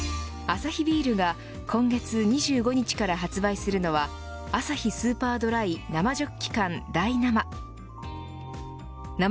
アサヒビールが今月２５日から発売するのはアサヒスーパードライ生ジョッキ缶大生。